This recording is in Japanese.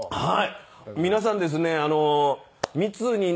はい。